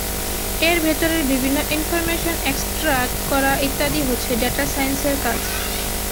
এর ভেতরের বিভিন্ন ইনফরমেশন এক্সট্রাক্ট করা ইত্যাদি হচ্ছে ডেটা সাইন্সের কাজ।